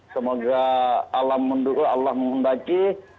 semoga allah mendukung allah mengundaki